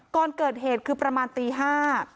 ก่อนเกิดเหตุคือประมาณตีห้า